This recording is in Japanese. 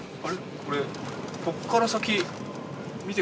これこっから先。